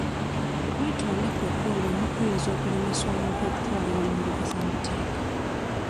Okwetonda kwokka olumu kuyinza okulemesa omuntu okutwalibwa mu mbuga z'amateeka.